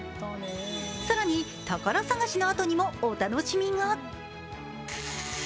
更に、宝探しのあとにもお楽しみが。